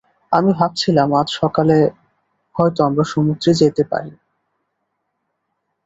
আমি ভাবছিলাম আজ সকালে হয়তো আমরা সমুদ্রে যেতে পারি।